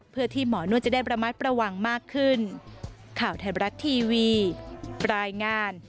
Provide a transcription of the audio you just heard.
เพื่อที่หมอนวดจะได้ระมัดระวังมากขึ้น